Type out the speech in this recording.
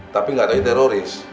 tapi gak teroris